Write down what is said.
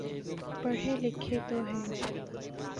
پڑھے لکھے تو ہیں۔